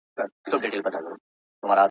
یونانیان دلته بریالي نه شول.